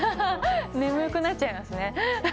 眠ーくなっちゃいますね。